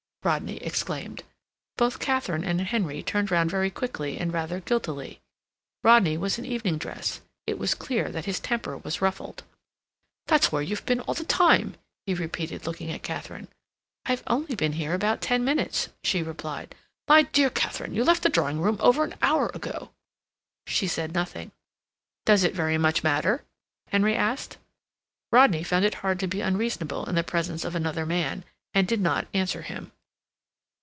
Rodney exclaimed. Both Katharine and Henry turned round very quickly and rather guiltily. Rodney was in evening dress. It was clear that his temper was ruffled. "That's where you've been all the time," he repeated, looking at Katharine. "I've only been here about ten minutes," she replied. "My dear Katharine, you left the drawing room over an hour ago." She said nothing. "Does it very much matter?" Henry asked. Rodney found it hard to be unreasonable in the presence of another man, and did not answer him.